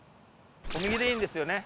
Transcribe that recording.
右でいいんですよね？